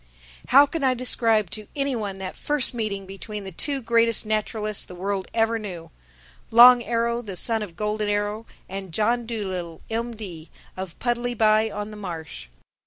How can I describe to any one that first meeting between the two greatest naturalists the world ever knew, Long Arrow, the son of Golden Arrow and John Dolittle, M.D., of Puddleby on the Marsh?